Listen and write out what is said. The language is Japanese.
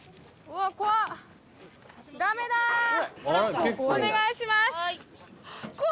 お願いします。